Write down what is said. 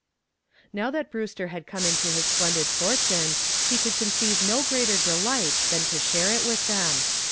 Now that Brewster had come into his splendid fortune he could conceive no greater delight than to share it with them.